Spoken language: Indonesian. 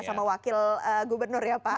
sama wakil gubernur ya pak